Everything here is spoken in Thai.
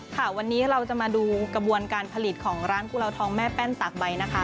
ค่ะวันนี้เราจะมาดูกระบวนการผลิตของร้านกุลาวทองแม่แป้นตากใบนะคะ